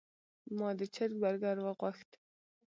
ما د چرګ برګر وغوښت.